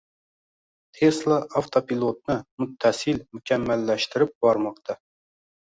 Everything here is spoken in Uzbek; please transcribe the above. Tesla avtopilotni muttasil mukammallashtirib bormoqda.